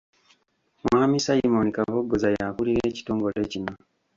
Mwami Simon Kabogoza y'akulira ekitongole kino.